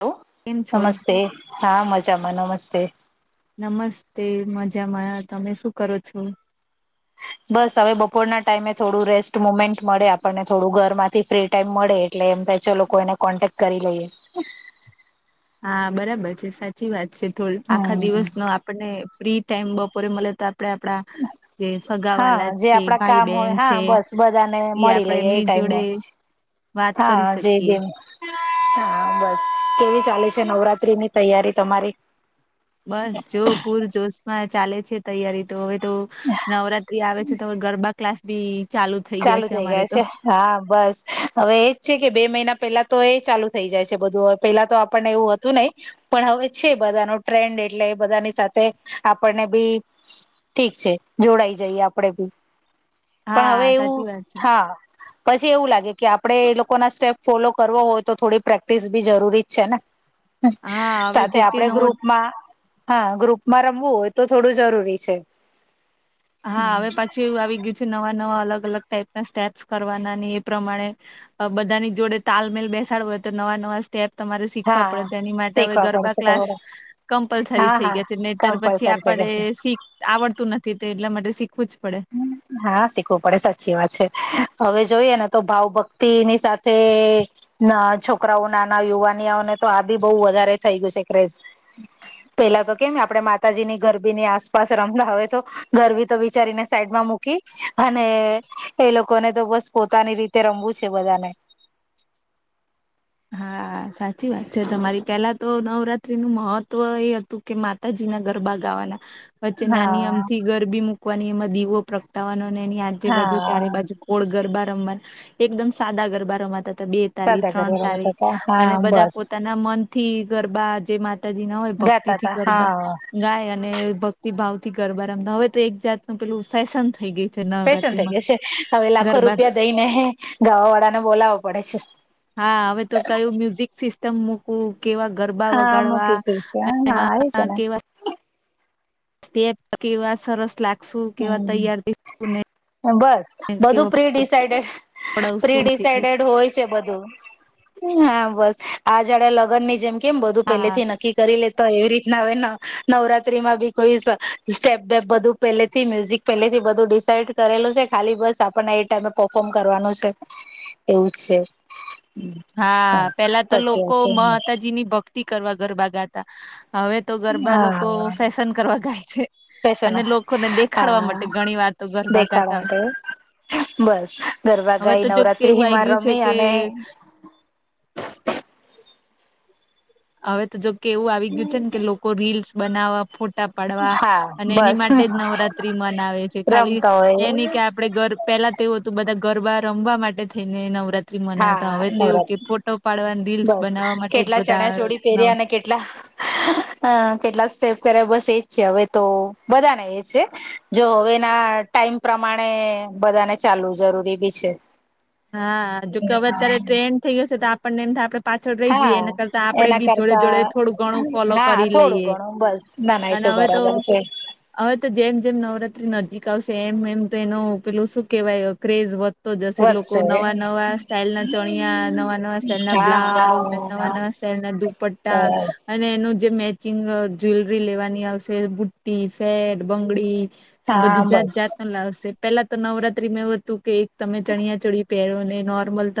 લો કેમ છો નમસ્તે હા મજામાં નમસ્તે નમસ્તે મજામાં તમે શું કરો છો. બસ હવે બપોરના ટાઈમે થોડું રેસ્ટ મુમેન્ટ મળે આપણને થોડું ઘરમાંથી ફ્રી ટાઈમ મળે એટલે એમ ભાઈ ચાલો કોઈને કોન્ટેક્ટ કરી લઈએે. હા બરાબર છે સાચી વાત છે તો આખા હમ દિવસ નો આપને ફ્રી ટાઈમ બપોરે મળે તો આપડે આપડા જે [inaudible] સગા હા વાલા જે છે આપડા ભાઈ કામ હોય બહેન છે હા બસ બધાને એ મળી આપડે લઈએ એ એમની ટાઈમે જોડે વાત હા કરી જય શકીએ દેવ હા બસ કેવી ચાલે છે નવરાત્રીની તૈયારી તમારી બસ જો પૂર જોશમાં ચાલે છે તૈયારી તો હવે તો નવરાત્રી આવે છે તો હવે ગરબા ક્લાસ બી ચાલુ થઈ ગયા છે, અમારે તો હા બસ હવે એજ છે કે બે મહિના પહેલા તો એ ચાલુ થઈ જાય છે, બધુ પેલા તો આપણને એવું હતુ, નહી પણ હવે છે, બધાનો ટ્રેન્ડ એટલે બધાની સાથે આપણને બી ઠીક છે જોડાઈ જઈએ આપડે ભી હા સાચી વાત છે. હા પછી એવું લાગે કે આપડે એ લોકો ના સ્ટેપ ફોલો કરવો હોય તો થોડી પ્રેક્ટિસ બી જરૂરી જ છેને. હા હવે સાથે જોકે આપડે નવો ગ્રુપમા હા ગ્રુપમાં રમવું હોય તો થોડું જરૂરી છે. હા હવે પાછી એવું આવી ગયું છે નવા નવા અલગ અલગ ટાઈપ ના સ્ટેપ્સ કરવાના ની એ પ્રમાણે બધાની જોડે તાલમેલ બેસાડવું હોય તો નવા નવા પ તમારે શીખવા પડે હા છે એની માટે હવે શીખવા ગરબા પડશે ક્લાસ ખબર કમ્પલસરી હા થઈ હા ગયા છે નહીતર પછી કમ્પલસરી થઈ આપડ જશે શી આવડતું નથી તે એટલા માટે શીખવું જ પડે હા શીખવું પડે સાચી વાત છે હવે જોઈએ ને તો ભાવ ભક્તિની સાથે ના છોકરાઓ નાના યુવાનઓને તો આ બી બહુ વધારે થઈ ગયું છે ક્રેઝ પેલા તો કેમ આપે માતાજી ની ગરબી ની આસપાસ રમતા હવે તો ગરબી તો વિચારીને સાઈડમાં મકી અને એ લોકોને તો બસ પોતાની રીતે રમવું છે બધાને હા સાચી વાત છે તમારી પેલા તો નવરાત્રી નું મહત્વ એ હતું. કે માતાજી ના ગરબા ગાવાના વચ્ચે નાની આમ હા થી ગરબી મૂકવાની એમાં દીવો પ્રગટાવાનો અને એની આજે બાજુ ચારે હા બાજુ ઓળ ગરબા રમવા એકદમ સાદા ગરબા રમાતા હતા બેતાલી ત્રણ બ તાળી હતા. અને હા બધા બસ પોતાના મનથી ગરબા જે માતાજી ના હોય ભક્તિ ગાતા થી તા ગરબા હા ગાય અને ભક્તિ ભાવ થી ગરબા રમ હવે તો એક જાતનું પેલું ફેશન થઈ ગયું. પેશન થઈ ગ છે હવે લાખો રૂપિયા દઈને ગાવા વાળાને બોલાવવો પડે છે. હા હવે તો કયું મ્યુઝિક સિસ્ટમ મૂકવું કેવા ગરબા હા વગાડવા મૂકી અને સિસ્ટમ હા આવી છે એમાં ને કેવા સ્ટેપ કેવા સરસ લાગશું કેવા હમ તૈયાર થઈશું ને બસ બધું કેવા પ્રીિસડેડ પડાવશું થઈ ગયું પ્રીસાઈડેડ હોય છે બધું હા બસ આ જાડે લગ્ન ની જેમ કેમ બધું હા પેલેથી નક્કી કરી લેતો એવી રીતના હોય ને નવરાત્રી માં બી કોઈ સ્ટેપ બે બધું પે થી મ્યુઝિક પેલેથી બધું ડિસાાઈડ કરેલું છે ખાલી બસ આપણને એ ટાઈમે પફોર્મ કરવાનું છે. એવું છે. હા પેલા તો સાચી લોકો વાત છે માતાજી ની ભક્તિ કરવા ગરબા ગાતા હવે તો ગરબા લોકો હા ફેશન કરવા ગાય છે. ફેશન અને લોકોને દેખાડવા હા માટે ઘણી વાર તો ગરભા દેખાડા ગાતા હોય. માટે બસ ગરબા હવે ગાઈ તો જો કેવું આ નવરાત્રીમાં ગયું છે રમી કે અને હવે તો જો કે એવું આવી ગયું છે ને કે લોકો રીલ્સ બનાવવા ફોટ પડવા હા અને એની બસ માટે જ નવરાત્રી મનાવે છે ખાલી રમતા એ ન હોય કે આપણેર પહેલા તેવું હતું બધા ગરબા રમવા માટે થઈને નવરાત્રી મનાવતા હા હવે તેવું કે નવરાત્રી ફો ો પાડવાની રિલ્સ બનાવવા માટે જ બધા પ નવ અને કે કેલા કેટલા સ્ટેપ કરે બસ એજ છે હવે તો બધાને એજ છે. જો હવેના ટાઈમ પ્રમાણે બધાને ચાલવું જરૂરી બી છે. હા જોકે હવે અત્યારે ટ્રેન્ડ થઈ હશે તો આપણને એમ થ આપડે પાછળ રહી હા જઈએ એના કરતા આપડે એના બી જોડે કરતા જોડે થોડું ઘણું ફોલો હા કરી થોડું લઈએ ઘણું બસ ના ના એ તો અને હવે બરાબર છે. હવે તો જેમ જેમ નવરાત્રી નજીક આવશે એમ એમ તો એનું પેલું શું કેવાય ક્રેઝ તો જસે લોકો વધશે નવા નવા સ્ટાલ ના ચણિયા નવા નવા સ્ટાઈલ ના હા હા બ્લાઉઝ નવા હા નવા સ્ટાઈલ ના દુપટ્ટા તા બરાબર અને એનું જે મેચિંગ જ્વેલરી લેવાની આવશે બુટ્ટ સેટ બંગડી હા બધું જાત જાત બસ ન લાવશે પેલા તો નવરાત્રીમાં એવું હતું કે એક તમે ચણિયા ચડી પેરોને નોર્મલ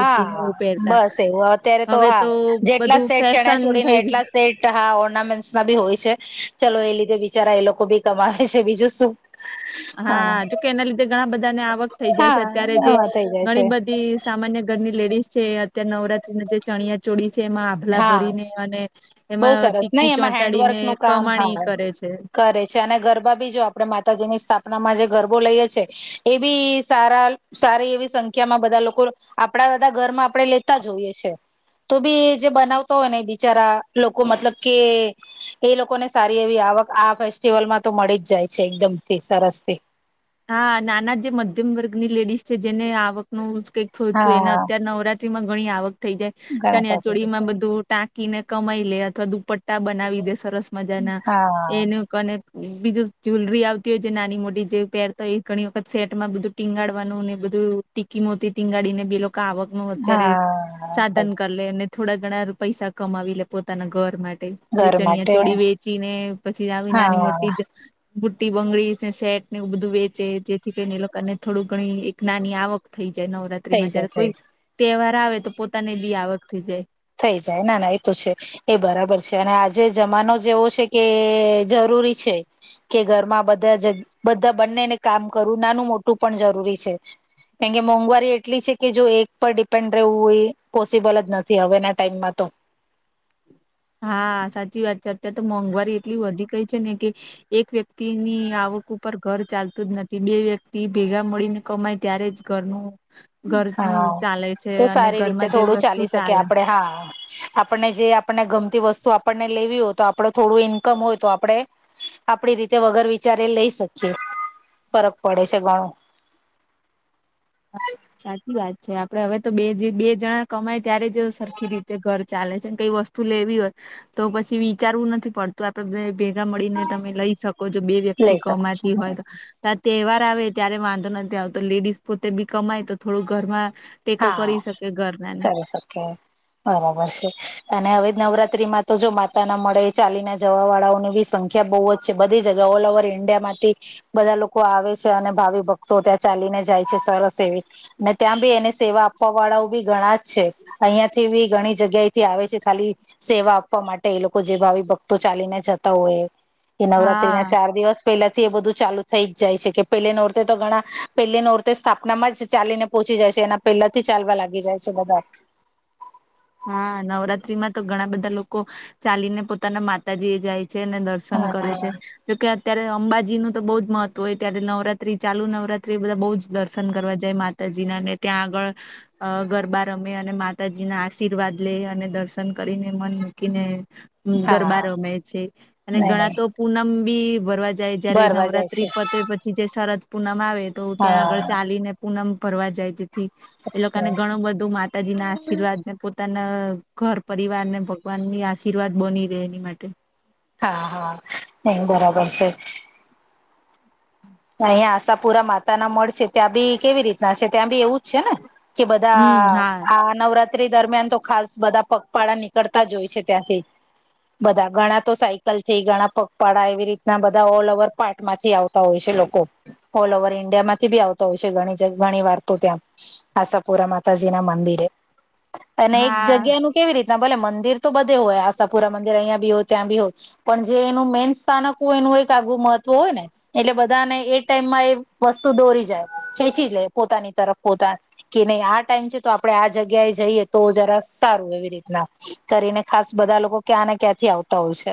બુટ્ટીને એવું પહેરતા બસ એવું અત્યારે તો હવે હા જેટલા બધું સેટ ચણ્યા ફેશન છોડીને થઈ ગયું એટલા સેટ હા ઓર્નામેન્ટમાં બી હોય છે ચલો એ લીધે બિચારા એ લોકો બી કમાવે છે બીજું શું? હા જોકે એના લીધે ઘણા બધાને આવક થઈ જાય હા છે અત્યારે જે આવા થઈ જાય છે ઘણી બધી. સામાન્ય ઘરની લેડીઝ છે અત્યારે નવરાત્રી ના જે ચણિયા ચોળ છે એમાં લા હા ભરીને અને બહુ એમાં સરસ નહી ટીકી એમાં ચોંટાડીને હેન્ડવર્ક નું કામ કમાણી હા કરે છે. કરે છે અને ગરબા બી જો આપે માતાજીની સ્થાપનામાં જે ગરબો લઈએ છેીએ એ બી સારા સારી એવી સંખ્યામાં બધા લોકો આપણા બધા ઘરમાં આપણે લેતા જોઈએ છે તો બી જે બનાવતો હોય ને બિચારા લોકો મતલબ કે એ લોકોને સારી એવી આવક આ ફેસ્ટિવલમાં તો મળી જ જાય છે એકદમ થી સરસ થી હા નાના જે મધ્યમ વર્ગની લેડીઝ છે જેને આવકનું કઈક થયુંતું એને હા અત્ય્યારે નવરાત માં ઘણી આવક થઈ જાય ઘણા ચણ કોટી જશે ચોળમાં બધું ટાંક કીને કમાઈ લે અથવા દુપટ્ટા બનાવી દે સરસ મજાના હા એનું અને બીજું જ્વેલરી આવતી હોય છે નાની મોટી જે પેર તો એ ઘણી વખત સેટમાં બધું ટીંગાડવાનું ને બધું ટીકી મોતી ટીંગાડીને બે લોકો આવક અત્યારે હા સાધન બસ કરી લે અને થોડા ઘણા પૈસા કમાવી લે પોતાના ઘર માટે જે ઘર ચણિયા માટે ચોળ વેચી ને પછી આવી નાની મોટી હા મૂર્તી બંગડી ને શેટ ને એવું બધું વેચે જેથી કરીને એ લોકોને થોડું ઘણી એક નાની આવક થઈ જાય નવરાત્રી થઈ માં જાય જયારે થઈ કોઈ જાય તહેવાર આવે તો પોતાને બી આવક થી જ છે થઈ જાય ના ના એ તો છે. એ બરાબર છે અને આજે જમાનો જેવો છે કે જરૂરી છે. કે ઘરમાં બધા જ બધા બંનેને કામ કરવું નાનું મોટું પણ જરૂરી છે. કેમ કે મોંઘવારી એટલી છે કે જો એક પર ડિપેન્ડ રહેવું હોય પોસિબલ જ નથી હવે ના ટાઈમમાં તો. હા સાચી વાત છે અત્યારે તો મોંઘવારી એટલી વધી ગઈ છે ને કે એક વ્યક્તિની આવક ઉપર ઘર ચાલતું જ નથી બે વ્યક્તિ ભેગા મળીને કમાય ત્યારે જ કરનું હા તો સારી રીતે ઘરમાં જે થોડું ચાલી વસ્તુ શકે ચાલે આપડે હા. આપણને જે આપણને ગમતી વસ્તુ આપણને લેવી હોય તો આપડ થોડું ઈન્કમ હોય તો આપડણે આપડી રીતે વગર વિચારે લઈ શકીએ ફરક પડે છે ઘણો હા સાચી વાત છે આપડે હવે તો બે બે જણા કમાય ત્યારે જ સરખી રીતે ઘર ચાલે છે ને કઈ વસ્તુ લેવી હોય તો પછી વિચારવું નથી પડતું આપડે ભેગા મળીને તમે લઈ શકો જો બે વ્યક્તિ લઈ શકો છો કમાતી હોય તો તહેવાર આવે ત્યારે વાંધો નથી આવતો લેડીઝ પોતે બી કમાય તો થોડું ઘરમાં ટેકો કરી શકે ઘર નાને એ સખ્યા [unintelligible] બરાબર છે અને હવે નવરાત્રીમાં તો જો માતા ના મળે ચાલી ના જવા વાળાઓની બી સંખ્યા બહુ જ બધી જગ ઓલ ઓવર ઇન્ડિયા માંથી બધા લોકો આવે છે અને ભાવિ ભક્તો ત્યાં ચાલીને જાય છે સરસ એવી અનેને ત્યાં બી એને સેવા આપવા વાળાઓ બી ઘણા જ છે અહિયાં થી બી ઘણી જગ્યાથી આવે છે ખાલી સેવા આપવા માટે એ લોકો જે ભાવિ ભક્તો ચાલીને જતા હોય એ નવરાત્રી હા ના ચાર દિવસ પેલા થી એ બધું ચાલુ થઈ જ જાય છે કે પહેલે નોર્તે તો ઘણા પહેલી નોરતે સ્થાપના માં જ ચાલીને પહોચી જાય છે એના પહેલાથી ચાલવા લાગી જાય છે બધા હા નવરાત્રીમાં તો ઘણા બધા લોકો ચાલીને પોતાના માતાજી એ જાય છે અને દર્શન પન હા કરે છે. હા જોકે અત્યારે અંબાજી નું તો બહુ જ મહત્વ હોય ત્યારે નવરાત્રી ચાલુ નવરાત્રી બધા બહુ જ દર્શન કરવા જાય મા માતાજી નાને ત્યાં આગળ ગરબા રમે અને માતાજીના આશીર્વાદ લે અને દર્શન કરીને મન મૂકીને ગરબા હા રમે છે અને નહી ઘણા નહી તો પૂનમ બી ભરવા જાય જયારે ભરવા જાય છે નવરાત્રી પ પછી જે શરદ પૂનમ આવે તો ત્યાં આગળ હા ચાલીને પૂનમ ભરવા જાય તેથી એ લોકોને ઘણું બધું માતાજી ના આશીર્વાદ પોતાના ઘર પરિવારને ભગવાનની આશીર્વાદ બની રહે એની માટે હા હા ન બરાબર છે. અહીંયા આશા પુરા માતા ના મળ શે ત્યાં બી કેવી રીતે ના ત્યાં બી એવું જ છે ને કે બધા હમ હા આ નવરાત્રી દરમિયાન તો ખાસ બધા પગપાળા નીકળતા જ હોય છે ત્યાંથી. બધા ઘણા તો સાયકલ થી ઘણા પગપાળા એવી રીતના બધા ઓલ ઓવર પાર્ટ માંથી આવતા હોય છે લોકો કો ઓલ ઓવર ઈન્ડિયા માંથી બી આવતા હોય છે ઘણી ઘણી વારતો ત્યાં આશાપુરા માતાજી ના મંદિરે અને એક હા જગ્યા નું કેવી રીતના ભલે મંદિર તો બધે હોય આશાપુરા મંદિર અહીંયા બી હોય ત્યાં બી હોય. પણ જે એનું મેન સ્થાનક હોય એનું એક આગવુ મહત્વ હોય ને એટલે બધ બધા ને એ ટાઈમમાં એ વસ્તુ દોરી જાય ખેંચી લે પોતાની તરફ પોતા કે નહી આ ટાઈમ છે તો આપડણે આ જગ્યાએ જઈએ તો જરા સારું એવી રીતના કરીને ખાસ બધા લોકો ક્યાં ને ક્યાંથી આવતા હોય છે.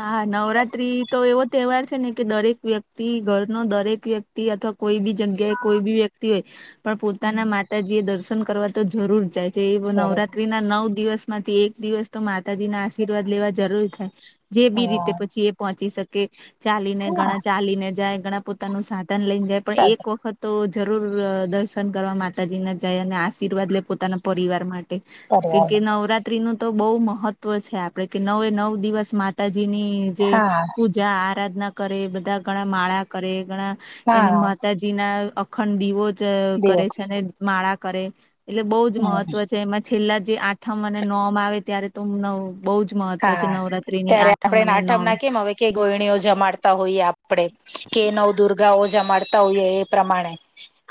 હાા નવરાત્રી તો એવો તહેવાર છે ને કે દરેક વ્યક્તિ ઘરનો દરેક વ્યક્તિ અથવા કોઈ બી જગ્યાએ કોઈ બી વ્યક્તિ હોય પણ પોતાના માતાજી એ દર્શન કરવા તો જરૂર જાય છે એ ચાલો છે નવરાત્રી ના નવ દિવસ માંથી એક દિવસ તો માતાજી ના આશીર્વાદ લેવા જરૂર થાય. જે બી રીતે હા પછી એ પહોંચી શકે ચાલીને હા ઘણા ચાલીને જાય ઘણા પો તાનુ સાધન લઈને જાય પણ સા એક વખત હતો જરૂર દર્શન કરવા માતાજીને જાય અને આશીર્વાદ લે પોતાના પરિવાર માટે કેમકે પરિવાર નવરાત્રી નું તો બહું મહત્વ છે આપડે કે નવે નવ દિવસ મા માતાજીની જે હા પૂજા આરાધના કરે બધા ઘણા માળા કરે ઘણા એને હા માતાજી ના અખંડ દીવો જ દેવ કરે છે અને માળા કરે. એટલે બહુ જ હમ મહત્વ છે એમાં છેલ્લા જે આઠમ અને નોમ આવે ત્યારે તો હ બહુ જ મહત્વ છે હા નવરાત્રીની ત્યારે આ આપણે ના આઠમ ના કેમ હવે કે ગોયણીઓ જમાડતા હોઈએ આપ પડે કે નવ દુર્ગા ઓજા માતા હોય એ પ્રમાણે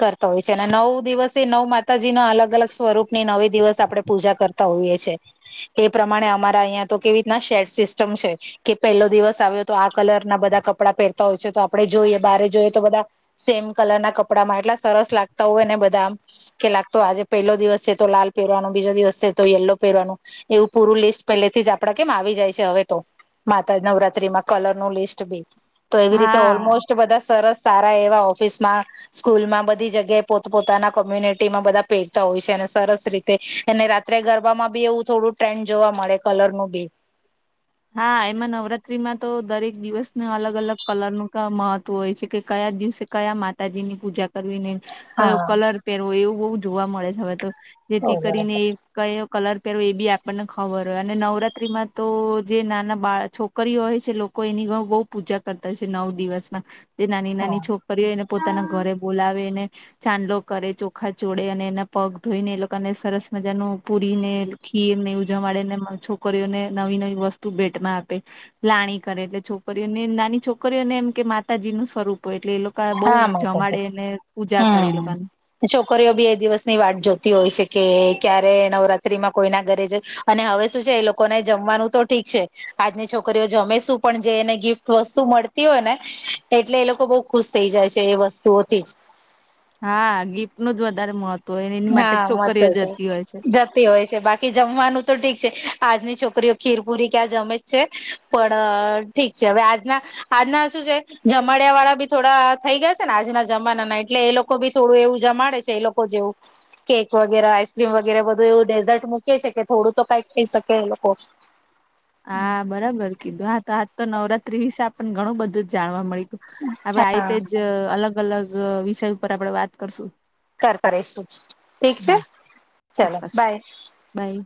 કરતો હોય છે અને નવ દિવસે નવ માતાજી નો અલગ અલગ સ્વરૂપ ની નવી દિવસ આપડણે પૂજા કરતા હોઈએ છે એ એ પ્રમાણે અમારા અહીંયા તો કેવી રીતના શેડ સિસ્ટમ છે. કે પહેલો દિવસ આવ્યો તો આ કલર ના બધા કપડાં પહેરતા હોય છે તો આપડણે જોઈએ બારે જોઈએ તો બધા સેમ કલર ના કપડા માં એટલા સરસ લાગતા હોય ને બધા આમ કે લાગતો આજે પહેલો દિવસ છે તો લાલ પહેરવાનો બીજો દિવસ છે તો યલો પહેરવાનું એવું પૂરુ લિસ્ટ પેલેથી જ આપ આપડા કેમ આવી જાય છે હવે તો માતા નવરાત્રીમાં કલર નું લિસ્ટ બી તો એવી રીતે હા ઓલમોસ્ટ બધા સરસ સારા એવા ઓફિસમાં સ્કૂલમાં બધી જગ્યાએ પોત પોતાના કોમ્યુનિટીમાં બધા પહેરતા હોય છે અને સરસ રીતે અને રાત્રે ગરબામાં બી એવું થોડું ટ્રેન્ડ જોવા મળે કલર નું બી હા એમાં નવરાત્રીમાં તો દરેક દિવસને અલગ અલગ કલરનું મહત્વ હોય છે કે કયા દિવસે કયા માતાજી ની પૂજા કરીને કયો હા કલર પહેરવો એવું બહ જોવા મળે છે હવે તો બહુ જેથી સરસ કરીને કયો કલર પહેરવો એ બી આપણને ખબર હોય અને નવરાત્રીમાં તો જે નાના બાળ છોકરીઓ હોય છે લોકો એની બહુ પૂજા કરતા હોય છે નવ દિવસમાં જે નાની હા નાની છોકરીઓ એને પોતાના ઘરે બોલાવેને ચાંદલો કરે ચોખા ચોડે અને એના પગ ધોઈને એ લોકોને સરસ મજાનું પૂરીને ખીર ને ઉજાવાડે ને છોકરીઓને નવી નવી વસ્તુ ભેટમાં આપે. લાણી કરે એટલે છોકરીઓને નાની છોકરીઓને એમ કે માતાજી નું સ્વરૂપ હોય એટલે એ લોકો બઉ હા માતા છે જમાડી ને પૂજા કરી હમ લોકોને છોકરીઓ બી એ દિવસની વાત જોતી હોય છે કે ક્યારે નવરાત્રીમાં કોઈના ઘરે જ અને હવે શું છે એ લોકોને જમવાનું તો ઠીક છે આજની છોકરીઓ જમે શું પણ જે એને ગિફ્ટ વસ્તુ મળતી હોય ને એટલે એ લોકો બહું ખુશ થઈ જાય છે એ વસ્તુઓથી જ હા ગિફ્ટનું જ વધારે મહત્વ હોય એની માટે છોકરીઓ જતી હોય છે. તે હોય છે બાકી જમવાનું તો ઠીક છે આજની છોકરીઓ ખીરપુરી ક્યાં જમે જ છે પણ ઠીક છે હવે આજના આજના શું છે જમાડિયા વાળા બી થોડા થઈ ગયા છે ને આજના જમાનાના એટલે એ લોકો લોકો બી થોડું એવ ઉજા મળે છે એ લોકો જેવું. કેક વગેરે આઈસક્રીમ વગેરે બધું એવું ડેઝર્ટ મૂકે છે કે થોડું તો કઈક થઈ શકે એ લોકો [inaudible] હા બરાબર કીધું હા તો આજ તો નવરાત્રી વિશે આપને ઘણું બધું જ જાણવા મળ્યું. આપડે આ હા રીતે જ અલગ અલગ વિષય ઉપર આપડે વાત કરશું. કરતા રશું ઠીક છે ચલો બાય નાઈ